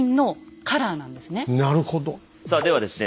さあではですね